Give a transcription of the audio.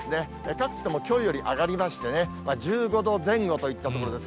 各地ともきょうより上がりましてね、１５度前後といったところです。